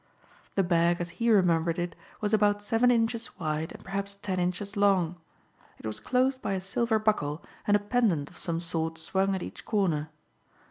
The bag as he remembered it was about seven inches wide and perhaps ten inches long. It was closed by a silver buckle and a pendant of some sort swung at each corner.